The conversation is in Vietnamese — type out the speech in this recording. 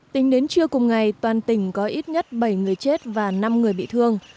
tính đến trưa cùng ngày toàn tỉnh có ít nhất bảy người chết và năm người bị thương